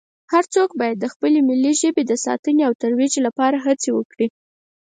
هر څو باید د خپلې ملي ژبې د ساتنې او ترویج لپاره هڅې وکړي